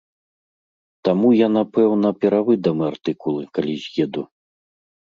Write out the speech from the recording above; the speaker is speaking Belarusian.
Таму я, напэўна, перавыдам артыкулы, калі з'еду.